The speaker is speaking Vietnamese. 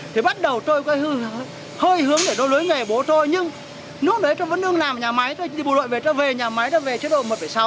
thì bắt đầu tôi có hơi hướng để tôi lối nghề bố thôi nhưng lúc đấy tôi vẫn đương làm nhà máy thôi đi bộ đội về tôi về nhà máy tôi về chế độ một sáu